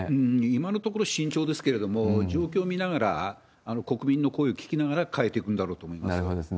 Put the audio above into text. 今のところ慎重ですけれども、状況を見ながら、国民の声を聞きながら変えていくんだろうと思います。